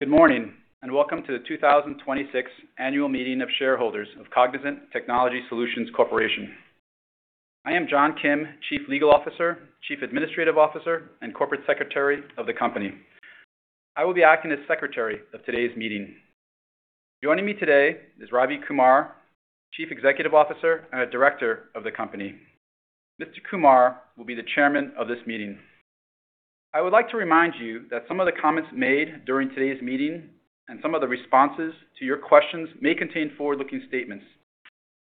Good morning, welcome to the 2026 Annual Meeting of Shareholders of Cognizant Technology Solutions Corporation. I am John Kim, Chief Legal Officer, Chief Administrative Officer, and Corporate Secretary of the company. I will be acting as secretary of today's meeting. Joining me today is Ravi Kumar, Chief Executive Officer and Director of the company. Mr. Kumar will be the chairman of this meeting. I would like to remind you that some of the comments made during today's meeting and some of the responses to your questions may contain forward-looking statements.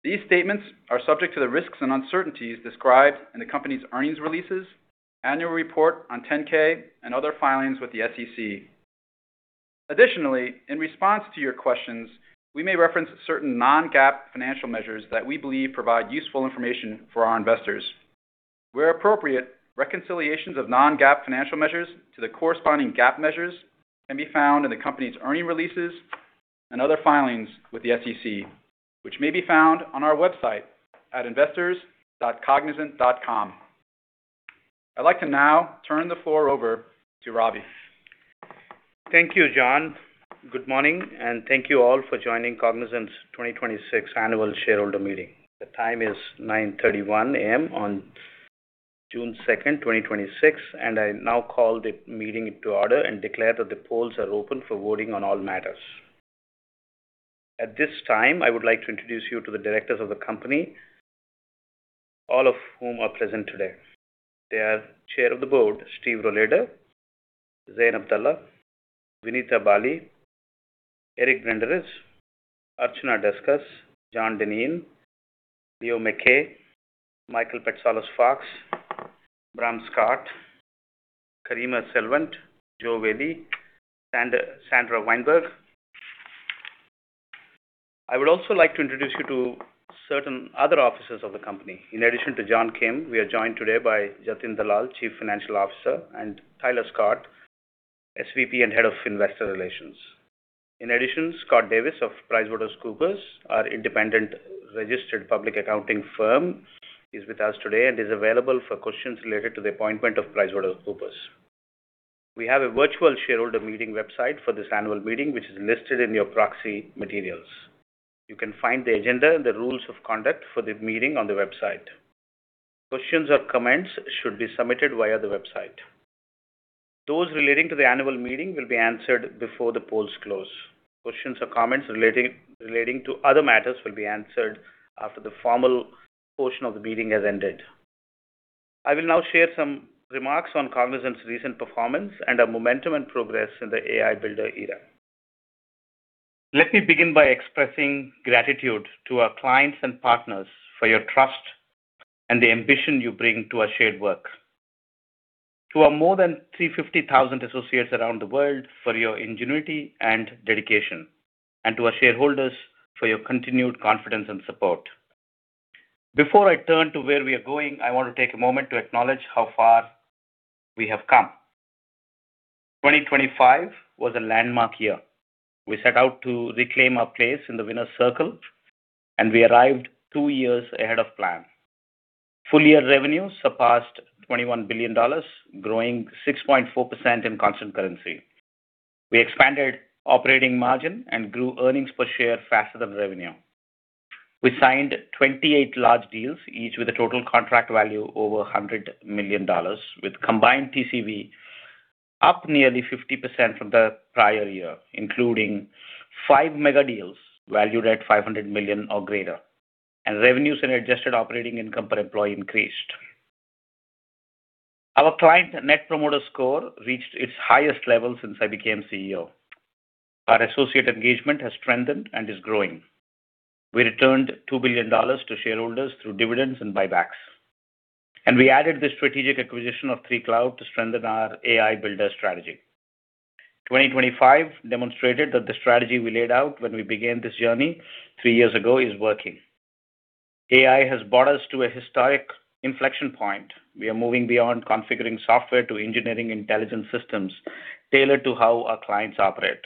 These statements are subject to the risks and uncertainties described in the company's earnings releases, annual report on 10-K, and other filings with the SEC. Additionally, in response to your questions, we may reference certain non-GAAP financial measures that we believe provide useful information for our investors. Where appropriate, reconciliations of non-GAAP financial measures to the corresponding GAAP measures can be found in the company's earning releases and other filings with the SEC, which may be found on our website at investors.cognizant.com. I'd like to now turn the floor over to Ravi. Thank you, John. Good morning, and thank you all for joining Cognizant's 2026 Annual Shareholder Meeting. The time is 9:31 A.M. on June 2nd, 2026, and I now call the meeting to order and declare that the polls are open for voting on all matters. At this time, I would like to introduce you to the directors of the company, all of whom are present today. They are Chair of the Board, Steve Rohleder, Zein Abdalla, Vinita Bali, Eric Branderiz, Archana Deskus, John Dineen, Leo Mackay, Michael Patsalos-Fox, Bram Schot, Karima Silvent, Joe Velli, and Sandra Wijnberg. I would also like to introduce you to certain other officers of the company. In addition to John Kim, we are joined today by Jatin Dalal, Chief Financial Officer, and Tyler Scott, SVP and Head of Investor Relations. In addition, Scott Davis of PricewaterhouseCoopers, our independent registered public accounting firm, is with us today and is available for questions related to the appointment of PricewaterhouseCoopers. We have a virtual shareholder meeting website for this annual meeting, which is listed in your proxy materials. You can find the agenda and the rules of conduct for the meeting on the website. Questions or comments should be submitted via the website. Those relating to the annual meeting will be answered before the polls close. Questions or comments relating to other matters will be answered after the formal portion of the meeting has ended. I will now share some remarks on Cognizant's recent performance and our momentum and progress in the AI Builder era. Let me begin by expressing gratitude to our clients and partners for your trust and the ambition you bring to our shared work. To our more than 350,000 associates around the world, for your ingenuity and dedication, and to our shareholders for your continued confidence and support. Before I turn to where we are going, I want to take a moment to acknowledge how far we have come. 2025 was a landmark year. We set out to reclaim our place in the winner's circle, and we arrived two years ahead of plan. Full-year revenue surpassed $21 billion, growing 6.4% in constant currency. We expanded operating margin and grew earnings per share faster than revenue. We signed 28 large deals, each with a total contract value over $100 million, with combined TCV up nearly 50% from the prior year, including five mega deals valued at $500 million or greater, and revenues and adjusted operating income per employee increased. Our client Net Promoter Score reached its highest level since I became CEO. Our associate engagement has strengthened and is growing. We returned $2 billion to shareholders through dividends and buybacks. We added the strategic acquisition of 3Cloud to strengthen our AI Builder strategy. 2025 demonstrated that the strategy we laid out when we began this journey three years ago is working. AI has brought us to a historic inflection point. We are moving beyond configuring software to engineering intelligent systems tailored to how our clients operate.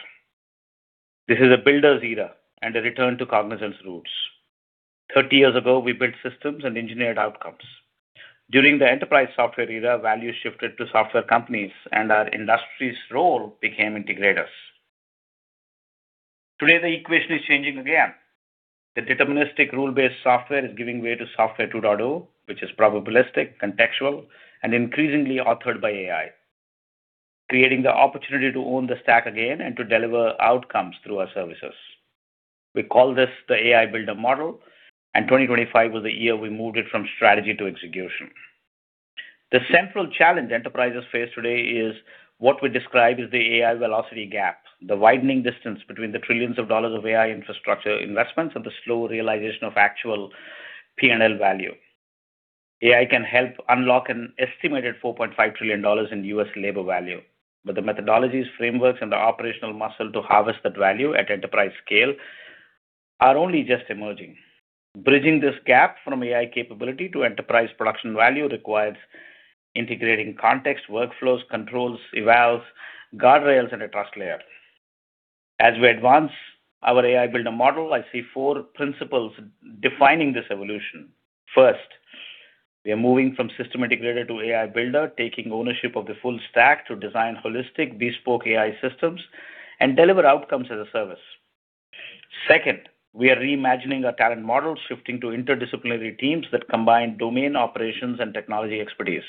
This is a builder's era and a return to Cognizant's roots. 30 years ago, we built systems and engineered outcomes. During the enterprise software era, value shifted to software companies, and our industry's role became integrators. Today, the equation is changing again. The deterministic rule-based software is giving way to Software 2.0, which is probabilistic, contextual, and increasingly authored by AI, creating the opportunity to own the stack again and to deliver outcomes through our services. We call this the AI Builder model, and 2025 was the year we moved it from strategy to execution. The central challenge enterprises face today is what we describe as the AI velocity gap, the widening distance between the trillions of dollars of AI infrastructure investments and the slow realization of actual P&L value. AI can help unlock an estimated $4.5 trillion in U.S. labor value, but the methodologies, frameworks, and the operational muscle to harvest that value at enterprise scale are only just emerging. Bridging this gap from AI capability to enterprise production value requires integrating context, workflows, controls, evals, guardrails, and a trust layer. As we advance our AI Builder model, I see four principles defining this evolution. First, we are moving from system integrator to AI Builder, taking ownership of the full stack to design holistic, bespoke AI systems and deliver outcomes as a service. Second, we are reimagining our talent model, shifting to interdisciplinary teams that combine domain operations and technology expertise.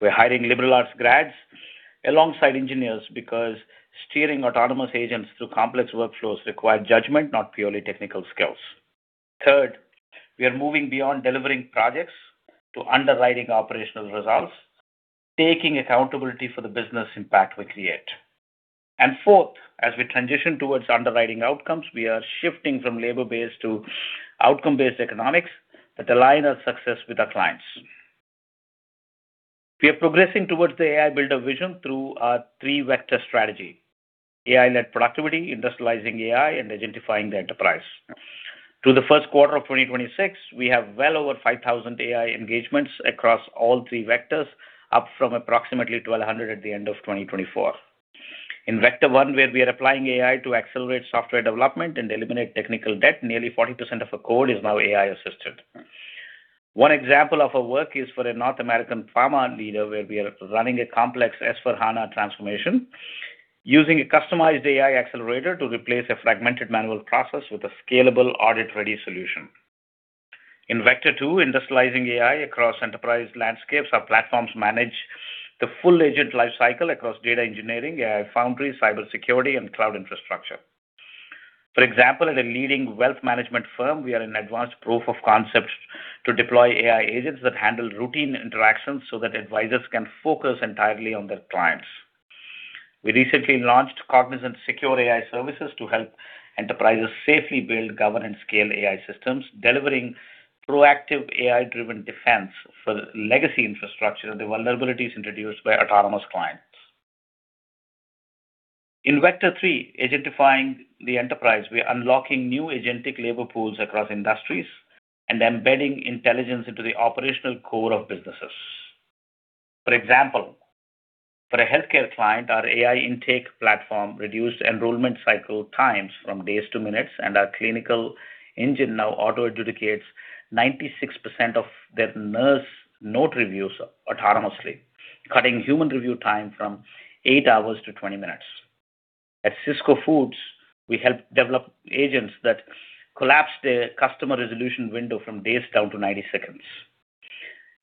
We're hiring liberal arts grads alongside engineers because steering autonomous agents through complex workflows require judgment, not purely technical skills. Third, we are moving beyond delivering projects to underwriting operational results, taking accountability for the business impact we create. Fourth, as we transition towards underwriting outcomes, we are shifting from labor-based to outcome-based economics that align our success with our clients. We are progressing towards the AI Builder vision through our three-vector strategy: AI-led Productivity, Industrializing AI, and Agentifying the Enterprise. Through the first quarter of 2026, we have well over 5,000 AI engagements across all three vectors, up from approximately 1,200 at the end of 2024. In Vector 1, where we are applying AI to accelerate software development and eliminate technical debt, nearly 40% of our code is now AI-assisted. One example of our work is for a North American pharma leader where we are running a complex S/4HANA transformation using a customized AI accelerator to replace a fragmented manual process with a scalable, audit-ready solution. In Vector 2, industrializing AI across enterprise landscapes, our platforms manage the full agent life cycle across data engineering, AI foundry, cybersecurity, and cloud infrastructure. For example, at a leading wealth management firm, we are in advanced proof of concept to deploy AI agents that handle routine interactions so that advisors can focus entirely on their clients. We recently launched Cognizant Secure AI Services to help enterprises safely build governance-scale AI systems, delivering proactive AI-driven defense for legacy infrastructure, the vulnerabilities introduced by autonomous clients. In Vector 3, Agentifying the Enterprise, we are unlocking new agentic labor pools across industries and embedding intelligence into the operational core of businesses. For example, for a healthcare client, our AI intake platform reduced enrollment cycle times from days to minutes, and our clinical engine now auto-adjudicates 96% of their nurse note reviews autonomously, cutting human review time from eight hours to 20 minutes. At Sysco Foods, we helped develop agents that collapsed their customer resolution window from days down to 90 seconds.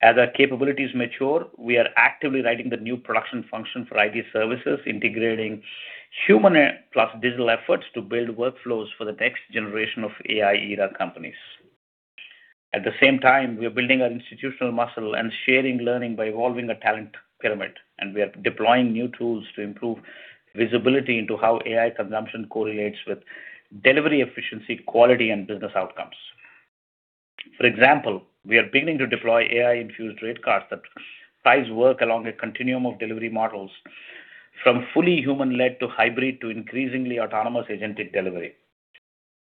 As our capabilities mature, we are actively writing the new production function for IT services, integrating human plus digital efforts to build workflows for the next generation of AI-era companies. At the same time, we are building our institutional muscle and sharing learning by evolving a talent pyramid, and we are deploying new tools to improve visibility into how AI consumption correlates with delivery efficiency, quality, and business outcomes. For example, we are beginning to deploy AI-infused rate cards that ties work along a continuum of delivery models from fully human-led to hybrid to increasingly autonomous agentic delivery.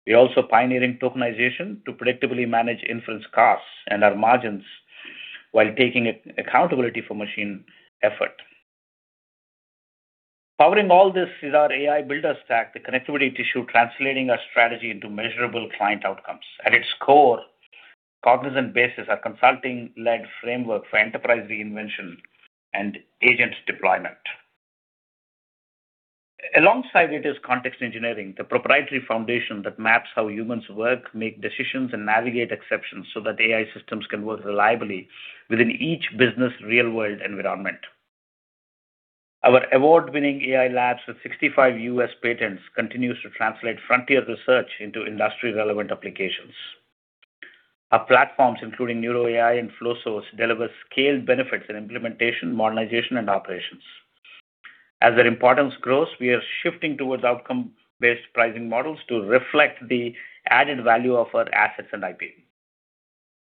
We're also pioneering tokenization to predictably manage inference costs and our margins while taking accountability for machine effort. Powering all this is our AI Builder stack, the connectivity tissue translating our strategy into measurable client outcomes. At its core, Cognizant BASIS, our consulting-led framework for enterprise reinvention and agent deployment. Alongside it is context engineering, the proprietary foundation that maps how humans work, make decisions, and navigate exceptions so that AI systems can work reliably within each business' real-world environment. Our award-winning AI Labs with 65 U.S. patents continues to translate frontier research into industry-relevant applications. Our platforms, including Neuro AI and Flowsource, deliver scaled benefits in implementation, modernization, and operations. As their importance grows, we are shifting towards outcome-based pricing models to reflect the added value of our assets and IP.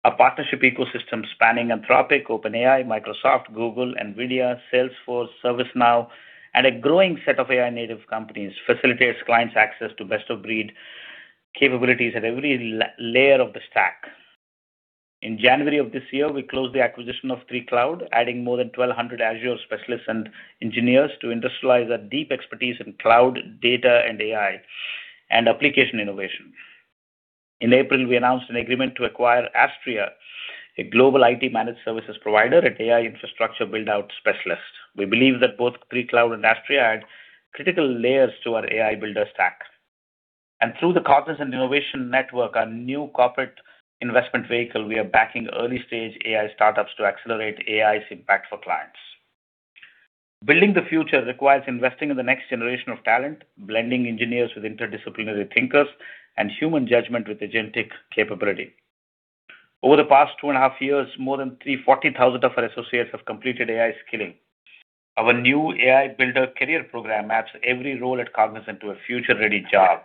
Our partnership ecosystem spanning Anthropic, OpenAI, Microsoft, Google, NVIDIA, Salesforce, ServiceNow, and a growing set of AI-native companies facilitates clients' access to best-of-breed capabilities at every layer of the stack. In January of this year, we closed the acquisition of 3Cloud, adding more than 1,200 Azure specialists and engineers to industrialize our deep expertise in cloud data and AI and application innovation. In April, we announced an agreement to acquire Astreya, a global IT managed services provider and AI infrastructure build-out specialist. We believe that both 3Cloud and Astreya add critical layers to our AI Builder stack. Through the Cognizant Innovation Network, our new corporate investment vehicle, we are backing early-stage AI startups to accelerate AI's impact for clients. Building the future requires investing in the next generation of talent, blending engineers with interdisciplinary thinkers and human judgment with agentic capability. Over the past 2.5 years, more than 340,000 of our associates have completed AI skilling. Our new AI Builder career program maps every role at Cognizant to a future-ready job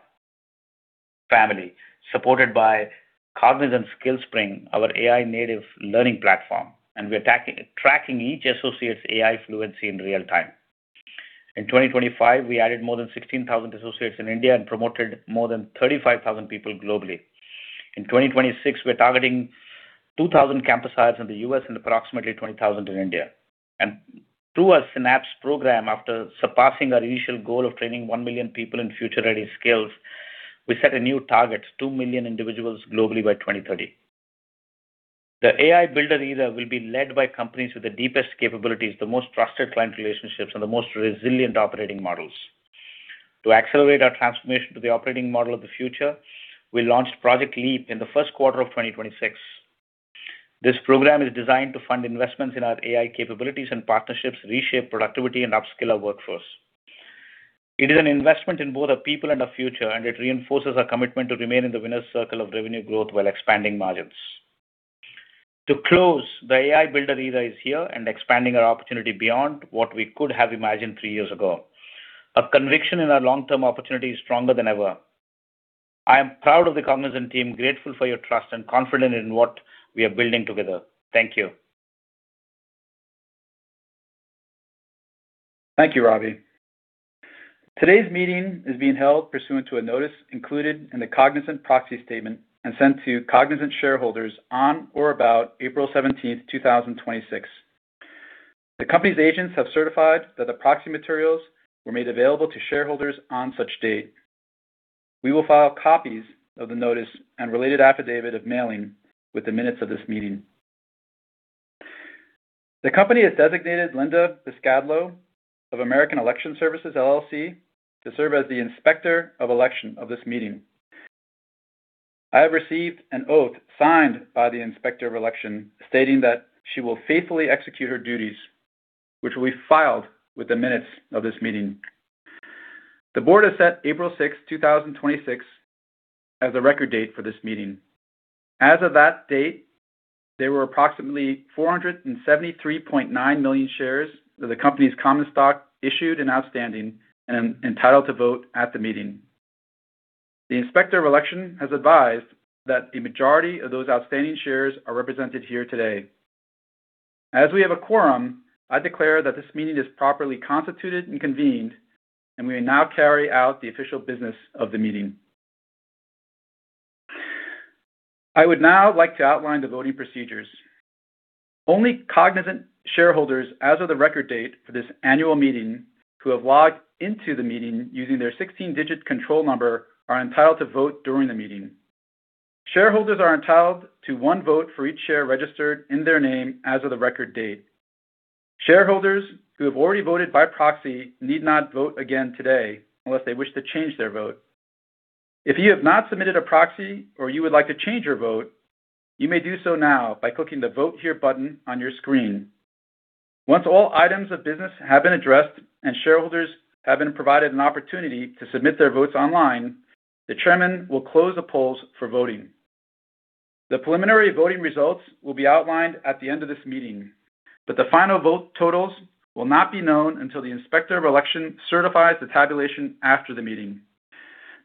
family, supported by Cognizant Skillspring, our AI-native learning platform, and we're tracking each associate's AI fluency in real time. In 2025, we added more than 16,000 associates in India and promoted more than 35,000 people globally. In 2026, we're targeting 2,000 campus hires in the U.S. and approximately 20,000 in India. Through our Synapse, after surpassing our initial goal of training 1 million people in future-ready skills. We set a new target, 2 million individuals globally by 2030. The AI Builder era will be led by companies with the deepest capabilities, the most trusted client relationships, and the most resilient operating models. To accelerate our transformation to the operating model of the future, we launched Project Leap in the first quarter of 2026. This program is designed to fund investments in our AI capabilities and partnerships, reshape productivity, and upskill our workforce. It is an investment in both our people and our future, and it reinforces our commitment to remain in the winner's circle of revenue growth while expanding margins. To close, the AI Builder era is here and expanding our opportunity beyond what we could have imagined three years ago. Our conviction in our long-term opportunity is stronger than ever. I am proud of the Cognizant team, grateful for your trust, and confident in what we are building together. Thank you. Thank you, Ravi. Today's meeting is being held pursuant to a notice included in the Cognizant proxy statement and sent to Cognizant shareholders on or about April 17th, 2026. The company's agents have certified that the proxy materials were made available to shareholders on such date. We will file copies of the notice and related affidavit of mailing with the minutes of this meeting. The company has designated Linda Piscadlo of American Election Services, LLC, to serve as the Inspector of Election of this meeting. I have received an oath signed by the Inspector of Election stating that she will faithfully execute her duties, which will be filed with the minutes of this meeting. The board has set April 6th, 2026, as the record date for this meeting. As of that date, there were approximately 473.9 million shares of the company's common stock issued and outstanding and entitled to vote at the meeting. The Inspector of Election has advised that a majority of those outstanding shares are represented here today. As we have a quorum, I declare that this meeting is properly constituted and convened, and we may now carry out the official business of the meeting. I would now like to outline the voting procedures. Only Cognizant shareholders as of the record date for this annual meeting who have logged into the meeting using their 16-digit control number are entitled to vote during the meeting. Shareholders are entitled to one vote for each share registered in their name as of the record date. Shareholders who have already voted by proxy need not vote again today unless they wish to change their vote. If you have not submitted a proxy or you would like to change your vote, you may do so now by clicking the Vote Here button on your screen. Once all items of business have been addressed and shareholders have been provided an opportunity to submit their votes online, the chairman will close the polls for voting. The preliminary voting results will be outlined at the end of this meeting. The final vote totals will not be known until the Inspector of Election certifies the tabulation after the meeting.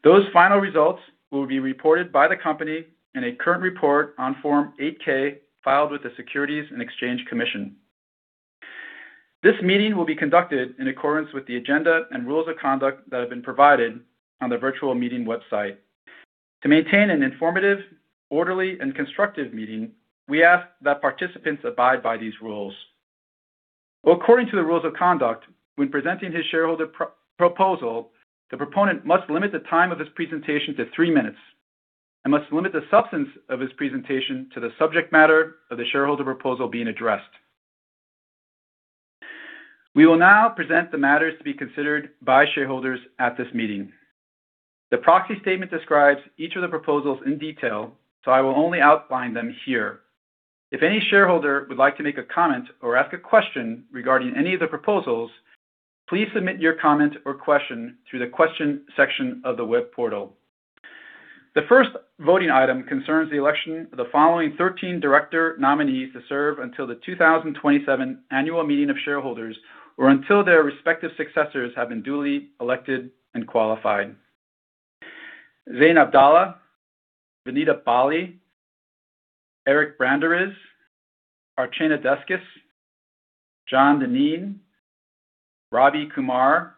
Those final results will be reported by the company in a current report on Form 8-K filed with the Securities and Exchange Commission. This meeting will be conducted in accordance with the agenda and rules of conduct that have been provided on the virtual meeting website. To maintain an informative, orderly, and constructive meeting, we ask that participants abide by these rules. According to the rules of conduct, when presenting his shareholder proposal, the proponent must limit the time of his presentation to three minutes and must limit the substance of his presentation to the subject matter of the shareholder proposal being addressed. We will now present the matters to be considered by shareholders at this meeting. The proxy statement describes each of the proposals in detail, so I will only outline them here. If any shareholder would like to make a comment or ask a question regarding any of the proposals, please submit your comment or question through the question section of the web portal. The first voting item concerns the election of the following 13 director nominees to serve until the 2027 Annual Meeting of Shareholders, or until their respective successors have been duly elected and qualified. Zein Abdalla, Vinita Bali, Eric Branderiz, Archana Deskus, John Dineen, Ravi Kumar,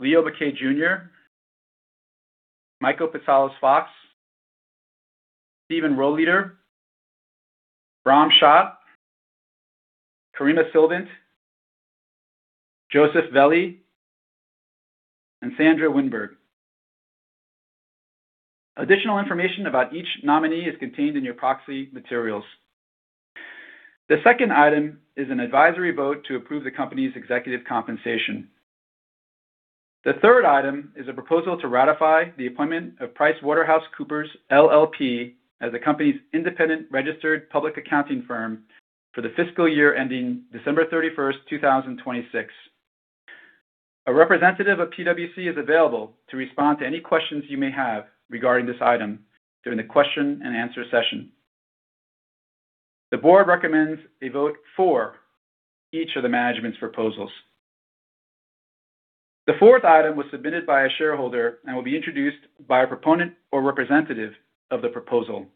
Leo Mackay, Jr., Michael Patsalos-Fox, Stephen Rohleder, Bram Schot, Karima Silvent, Joseph Velli, and Sandra Wijnberg. Additional information about each nominee is contained in your proxy materials. The second item is an advisory vote to approve the company's executive compensation. The third item is a proposal to ratify the appointment of PricewaterhouseCoopers, LLP as the company's independent registered public accounting firm for the fiscal year ending December 31st, 2026. A representative of PwC is available to respond to any questions you may have regarding this item during the question and answer session. The board recommends a vote for each of the management's proposals. The fourth item was submitted by a shareholder and will be introduced by a proponent or representative of the proposal.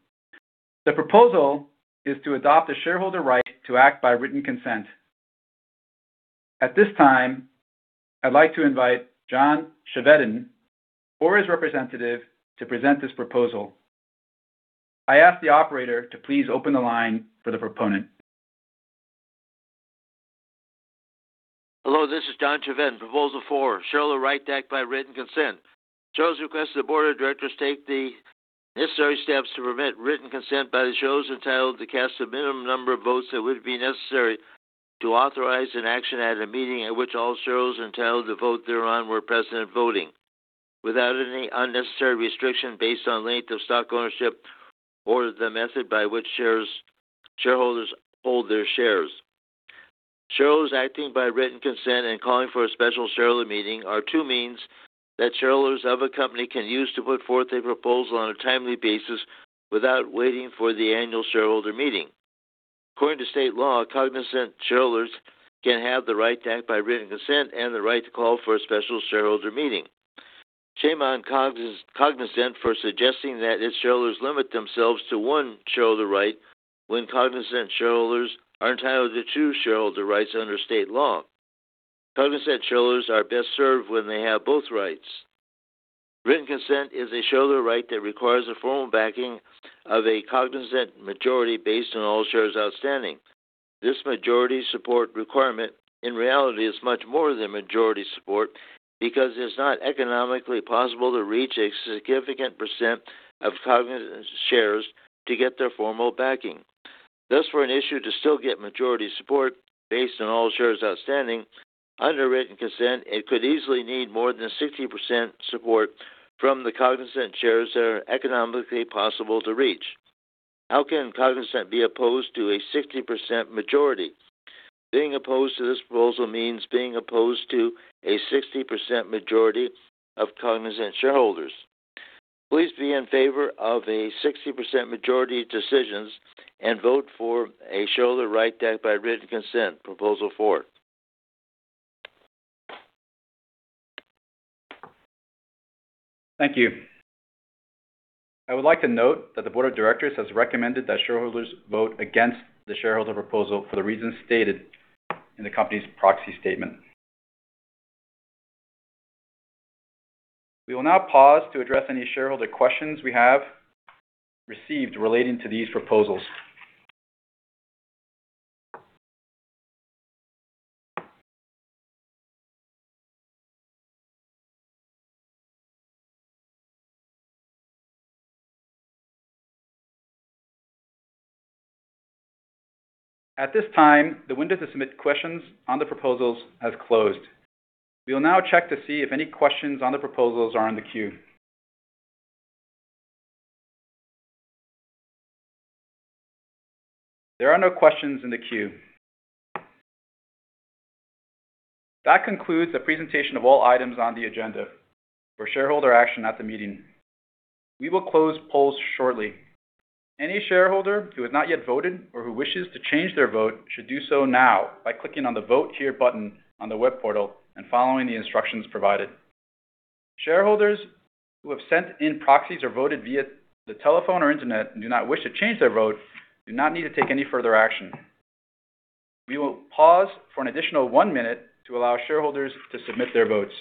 The proposal is to adopt a shareholder right to act by written consent. At this time, I'd like to invite John Chevedden or his representative to present this proposal. I ask the operator to please open the line for the proponent. Hello, this is John Chevedden, Proposal 4, Shareholder Right to Act by Written Consent. Shareholders request the board of directors take the necessary steps to permit written consent by the shareholders entitled to cast the minimum number of votes that would be necessary to authorize an action at a meeting at which all shareholders entitled to vote thereon were present and voting, without any unnecessary restriction based on length of stock ownership or the method by which shareholders hold their shares. Shareholders acting by written consent and calling for a special shareholder meeting are two means that shareholders of a company can use to put forth a proposal on a timely basis without waiting for the annual shareholder meeting. According to state law, Cognizant shareholders can have the right to act by written consent and the right to call for a special shareholder meeting. Shame on Cognizant for suggesting that its shareholders limit themselves to one shareholder right when Cognizant shareholders are entitled to two shareholder rights under state law. Cognizant shareholders are best served when they have both rights. Written consent is a shareholder right that requires the formal backing of a Cognizant majority based on all shares outstanding. This majority support requirement, in reality, is much more than majority support because it is not economically possible to reach a significant percent of Cognizant shares to get their formal backing. Thus, for an issue to still get majority support based on all shares outstanding, under a written consent, it could easily need more than 60% support from the Cognizant shares that are economically possible to reach. How can Cognizant be opposed to a 60% majority? Being opposed to this proposal means being opposed to a 60% majority of Cognizant shareholders. Please be in favor of a 60% majority decisions and vote for a shareholder right to act by written consent, Proposal 4. Thank you. I would like to note that the board of directors has recommended that shareholders vote against the shareholder proposal for the reasons stated in the company's proxy statement. We will now pause to address any shareholder questions we have received relating to these proposals. At this time, the window to submit questions on the proposals has closed. We will now check to see if any questions on the proposals are in the queue. There are no questions in the queue. That concludes the presentation of all items on the agenda for shareholder action at the meeting. We will close polls shortly. Any shareholder who has not yet voted or who wishes to change their vote should do so now by clicking on the Vote Here button on the web portal and following the instructions provided. Shareholders who have sent in proxies or voted via the telephone or internet and do not wish to change their vote do not need to take any further action. We will pause for an additional one minute to allow shareholders to submit their votes.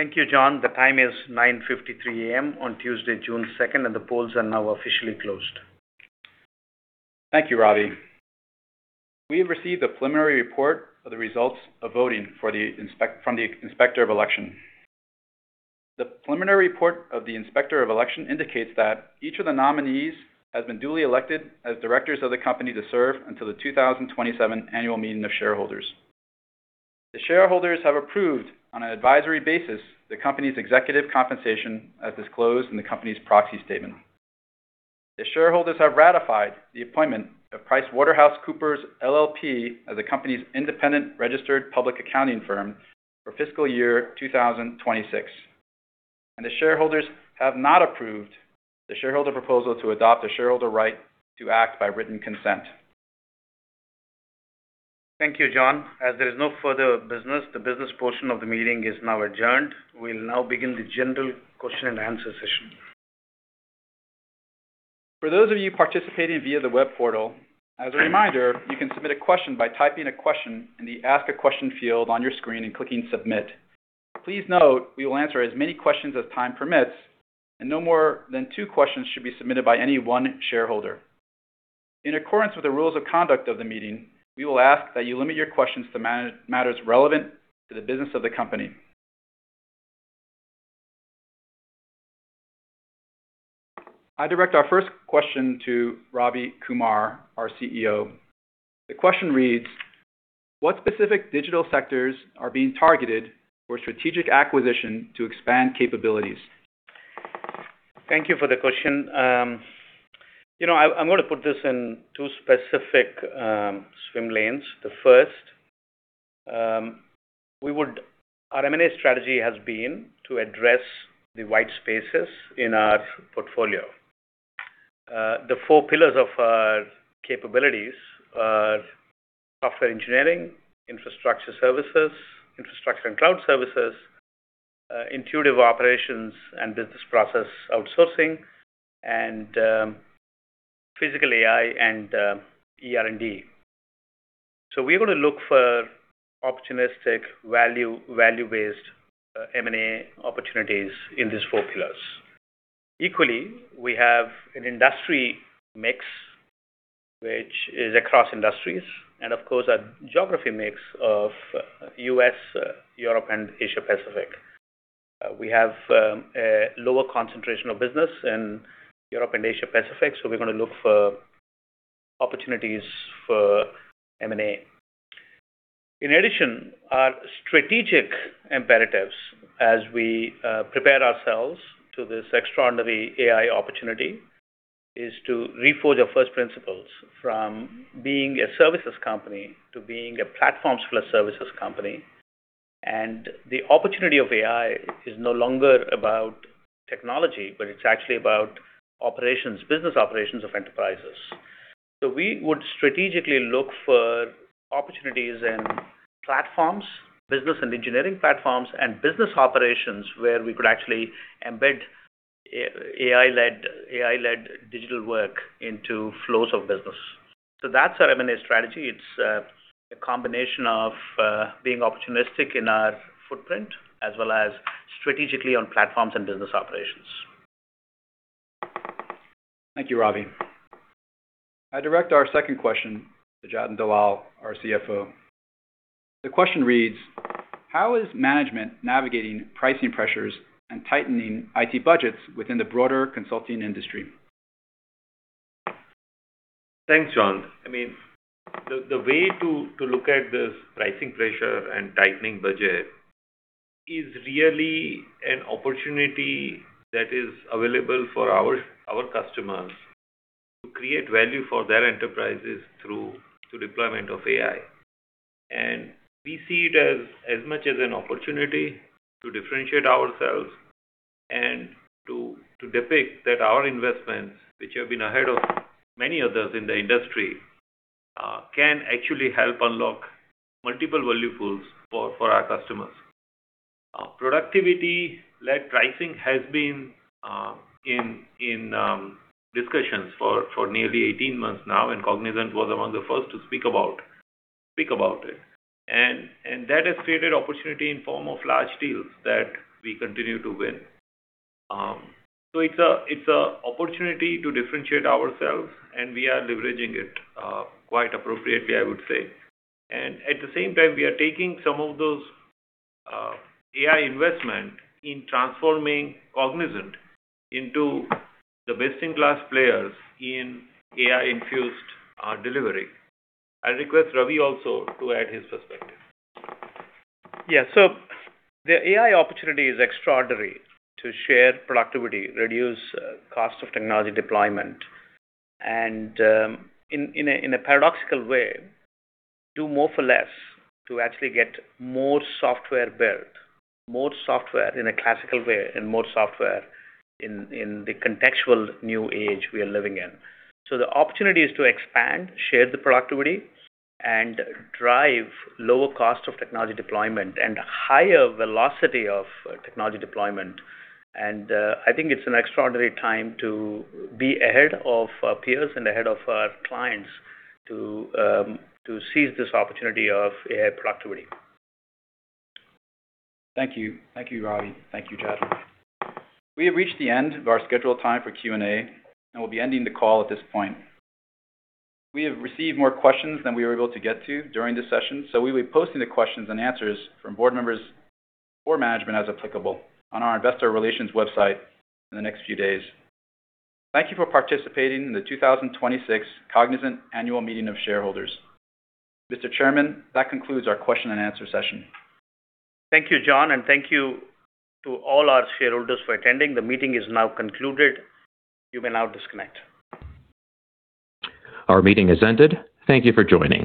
Thank you, John. The time is 9:53 A.M. on Tuesday, June 2nd, and the polls are now officially closed. Thank you, Ravi. We have received a preliminary report of the results of voting from the Inspector of Election. The preliminary report of the Inspector of Election indicates that each of the nominees has been duly elected as directors of the company to serve until the 2027 annual meeting of shareholders. The shareholders have approved on an advisory basis the company's executive compensation as disclosed in the company's proxy statement. The shareholders have ratified the appointment of PricewaterhouseCoopers, LLP as the company's independent registered public accounting firm for fiscal year 2026. The shareholders have not approved the shareholder proposal to adopt a shareholder right to act by written consent. Thank you, John. As there is no further business, the business portion of the meeting is now adjourned. We'll now begin the general question and answer session. For those of you participating via the web portal, as a reminder, you can submit a question by typing a question in the Ask a Question field on your screen and clicking Submit. Please note we will answer as many questions as time permits, and no more than two questions should be submitted by any one shareholder. In accordance with the rules of conduct of the meeting, we will ask that you limit your questions to matters relevant to the business of the company. I direct our first question to Ravi Kumar, our CEO. The question reads: what specific digital sectors are being targeted for strategic acquisition to expand capabilities? Thank you for the question. I'm going to put this in two specific swim lanes. The first, our M&A strategy has been to address the white spaces in our portfolio. The four pillars of our capabilities are software engineering, infrastructure services, infrastructure and cloud services, intuitive operations and business process outsourcing, and physical AI and ER&D. We're going to look for opportunistic value-based M&A opportunities in these four pillars. Equally, we have an industry mix which is across industries, and of course, a geography mix of U.S., Europe, and Asia-Pacific. We have a lower concentration of business in Europe and Asia-Pacific, we're going to look for opportunities for M&A. In addition, our strategic imperatives as we prepare ourselves to this extraordinary AI opportunity, is to reforge our first principles from being a services company to being a platform-services company. The opportunity of AI is no longer about technology, but it's actually about business operations of enterprises. We would strategically look for opportunities in platforms, business and engineering platforms, and business operations where we could actually embed AI-led digital work into flows of business. That's our M&A strategy. It's a combination of being opportunistic in our footprint as well as strategically on platforms and business operations. Thank you, Ravi. I direct our second question to Jatin Dalal, our CFO. The question reads: how is management navigating pricing pressures and tightening IT budgets within the broader consulting industry? Thanks, John. The way to look at this pricing pressure and tightening budget is really an opportunity that is available for our customers to create value for their enterprises through deployment of AI. We see it as much as an opportunity to differentiate ourselves and to depict that our investments, which have been ahead of many others in the industry, can actually help unlock multiple value pools for our customers. Productivity-led pricing has been in discussions for nearly 18 months now. Cognizant was among the first to speak about it. That has created opportunity in form of large deals that we continue to win. It's an opportunity to differentiate ourselves, and we are leveraging it quite appropriately, I would say. At the same time, we are taking some of those AI investment in transforming Cognizant into the best-in-class players in AI-infused delivery. I request Ravi also to add his perspective. Yeah. The AI opportunity is extraordinary to share productivity, reduce cost of technology deployment, and in a paradoxical way, do more for less to actually get more software built, more software in a classical way, and more software in the contextual new age we are living in. The opportunity is to expand, share the productivity, and drive lower cost of technology deployment and higher velocity of technology deployment. I think it's an extraordinary time to be ahead of peers and ahead of our clients to seize this opportunity of AI productivity. Thank you. Thank you, Ravi. Thank you, Jatin. We have reached the end of our scheduled time for Q&A, and we'll be ending the call at this point. We have received more questions than we were able to get to during this session. We will be posting the questions and answers from board members or management, as applicable, on our investor relations website in the next few days. Thank you for participating in the 2026 Cognizant Annual Meeting of Shareholders. Mr. Chairman, that concludes our question and answer session. Thank you, John, and thank you to all our shareholders for attending. The meeting is now concluded. You may now disconnect. Our meeting has ended. Thank you for joining.